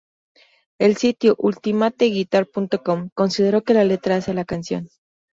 El sitio "Ultimate-guitar.com" consideró que la letra hace a la canción.